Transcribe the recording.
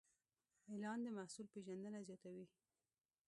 اعلان د محصول پیژندنه زیاتوي.